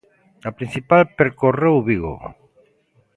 A principal percorreu Vigo.